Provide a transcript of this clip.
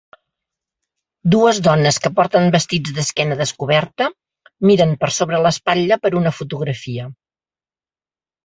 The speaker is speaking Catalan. Dues dones que porten vestits d'esquena descoberta miren per sobre l'espatlla per una fotografia.